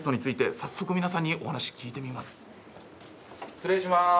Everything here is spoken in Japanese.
失礼します。